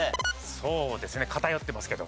そうですね偏ってますけど。